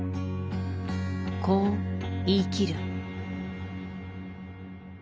こう言い切る。